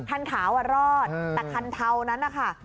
คันขาวรอดแต่คันเทานั้นนะคะ